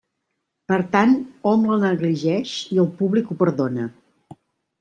Per tant, hom la negligeix i el públic ho perdona.